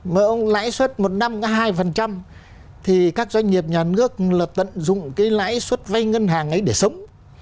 mà ông lãi suất một năm có hai thì các doanh nghiệp nhà nước là tận dụng cái lãi suất vay ngân hàng ấy để sống